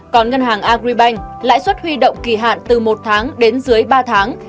còn ngân hàng agribank lãi suất huy động kỳ hạn từ một tháng đến dưới ba tháng